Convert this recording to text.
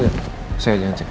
iya saya jalan cek